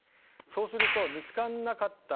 そうすると見つからなかった